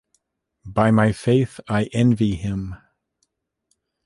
By my faith, I envy him.